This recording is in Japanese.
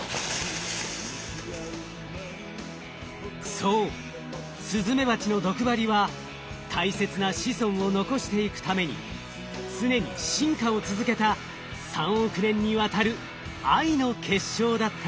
そうスズメバチの毒針は大切な子孫を残していくために常に進化を続けた３億年にわたる愛の結晶だったのです。